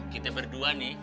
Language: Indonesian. kita berdua nih